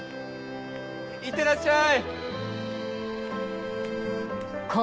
いってらっしゃい！